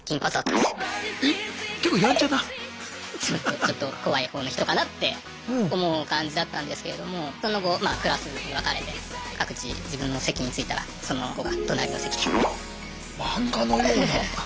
ちょっと怖いほうの人かなって思う感じだったんですけれどもその後クラスに分かれて各自自分の席に着いたらその子が隣の席で。